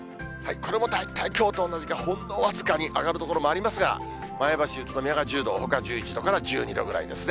これも大体きょうと同じか、ほんの僅かに上がる所もありますが、前橋、宇都宮が１０度、ほか１１度から１２度ぐらいですね。